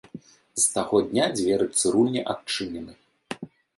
З таго дня дзверы цырульні адчынены.